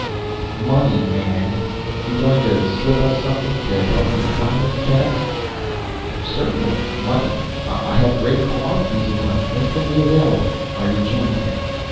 "Money, man. You going to slip us something to help you find these cats?" "Certainly, money. I have a great quantity of money instantly available," I rejoined him.